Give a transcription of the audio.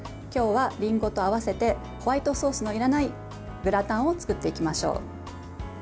今日は、りんごと合わせてホワイトソースのいらないグラタンを作っていきましょう。